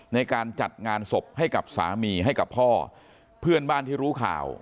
ในการจัดงานศพให้กับสามีให้กับพ่อเพื่อนบ้านที่รู้ข่าว